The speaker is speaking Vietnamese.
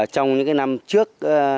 trong những năm trước